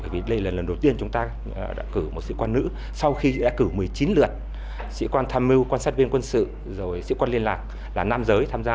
vì đây là lần đầu tiên chúng ta đã cử một sĩ quan nữ sau khi đã cử một mươi chín lượt sĩ quan tham mưu quan sát viên quân sự rồi sĩ quan liên lạc là nam giới tham gia